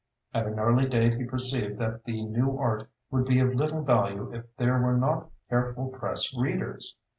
At an early date he perceived that the new art would be of little value if there were not careful press readers.